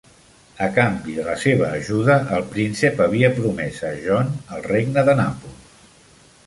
A canvi de la seva ajuda, el príncep havia promès a John el Regne de Nàpols.